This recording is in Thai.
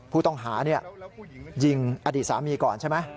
ผู้ต้องหายิงอดีตสามีก่อนใช่ไหม